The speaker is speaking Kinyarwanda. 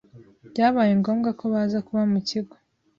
byabaye ngombwa ko Baza kuba mu kigo